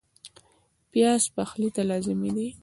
پیاز پخلي ته لازمي دی